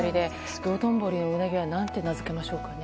道頓堀のウナギは何て名付けましょうかね。